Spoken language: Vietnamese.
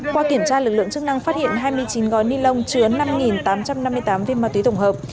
qua kiểm tra lực lượng chức năng phát hiện hai mươi chín gói ni lông chứa năm tám trăm năm mươi tám viên ma túy tổng hợp